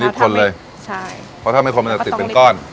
คนเลยใช่เพราะถ้าไม่คนมันจะติดเป็นก้อน